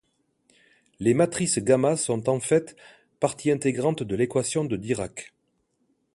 Les matrices gamma sont en fait partie intégrante de l'équation de Dirac.